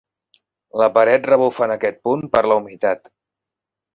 La paret rebufa en aquest punt per la humitat.